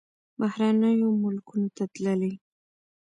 بهرنیو ملکونو ته تللی.